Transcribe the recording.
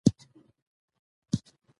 استاد بینوا د شعرونو له لارې ولس ویښاوه.